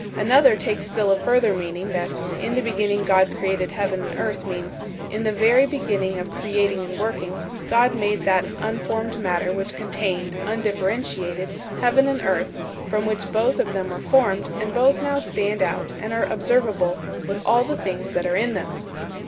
" Another takes still a further meaning, that "In the beginning God created heaven and earth" means, "In the very beginning of creating and working, God made that unformed matter which contained, undifferentiated, heaven and earth, from which both of them were formed, and both now stand out and are observable with all the things that are in them."